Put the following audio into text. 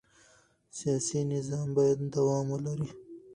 سیاسي نظام باید دوام ولري